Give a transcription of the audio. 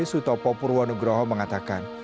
suto popurwanugroho mengatakan